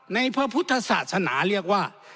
พระพุทธศาสนาเรียกว่า